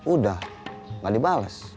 udah gak dibalas